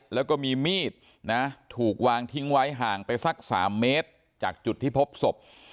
แล้วก็มีมีดนะถูกวางทิ้งไว้ห่างไปสัก๓เมตรจากจุดที่พบศพ